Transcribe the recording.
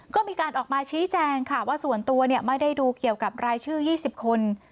ก็มีการออกมาชี้แจงค่ะว่าส่วนตัวไม่ได้ดูเกี่ยวกับรายชื่อ๒๐คน